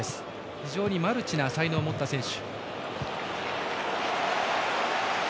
非常にマルチな才能を持った選手。